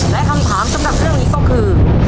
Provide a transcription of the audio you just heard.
และคำถามสำหรับเรื่องนี้ก็คือ